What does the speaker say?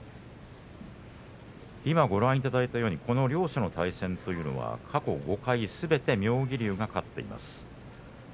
両者の対戦、過去５回すべて妙義龍が勝っています。